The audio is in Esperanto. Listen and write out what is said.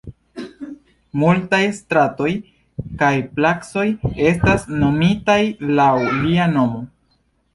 Multaj stratoj kaj placoj estas nomitaj laŭ lia nomo.